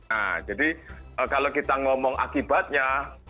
nah jadi kalau kita ngomong akibatnya